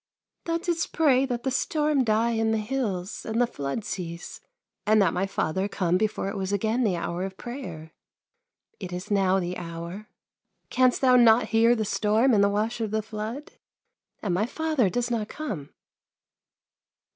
" Thou didst pray that the storm die in the hills, and the flood cease, and that my father come before it was again the hour of prayer. It is now the hour. Canst thou not hear the storm and the wash of the flood ? And my father does not come